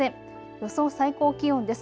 予想最高気温です。